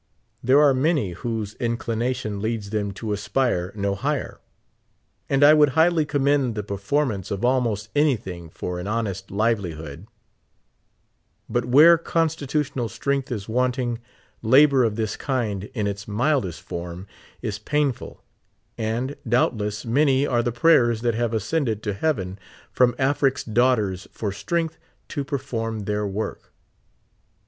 There are man}' whose in clination leads them to aspire no higher; and I would highly commend the performance of almost anything for an honest livelihood ; but where constitutional strength is wanting, labor of this kind, in its mildest form, is painful ; and, doubtless, many are the praj^ers that hscve ascended to heaven from Afric's daughters for strength to perform their work.